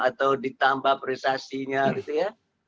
atau ditambah prestasinya gitu ya